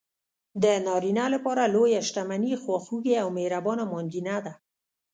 د نارینه لپاره لویه شتمني خواخوږې او مهربانه ماندینه ده.